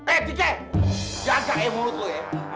eh tike jagain mulut lo ya